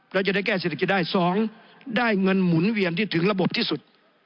แล้วจะได้แก้เศรษฐกิจได้๒ได้เงินหมุนเวียนที่ถึงระบบที่สุด